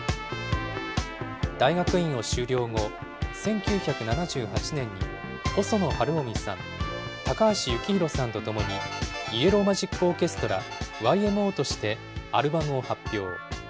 大学院を修了後、１９７８年に細野晴臣さん、高橋幸宏さんと共にイエロー・マジック・オーケストラ・ＹＭＯとしてアルバムを発表。